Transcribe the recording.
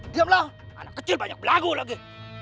diamlah anak kecil banyak lagu lagi